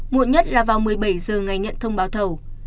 muộn nhất là vào một mươi bảy giờ ngày nhận thông báo thầu